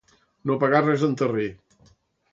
No pegar res en terrer.